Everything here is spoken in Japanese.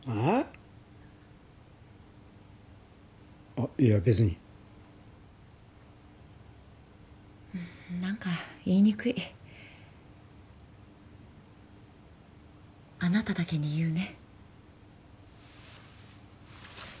あっいや別に何か言いにくいあなただけに言うね